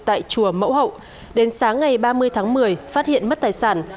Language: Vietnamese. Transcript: tại chùa mẫu hậu đến sáng ngày ba mươi tháng một mươi phát hiện mất tài sản